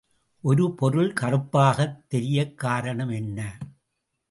ஒரு பொருள் கறுப்பாகத் தெரியக் காரணம் என்ன?